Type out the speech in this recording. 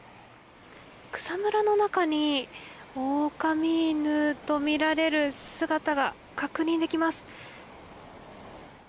草むらの中に狼犬とみられる姿が確認できます。